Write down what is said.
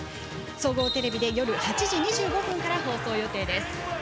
総合テレビで夜８時２５分から放送予定です。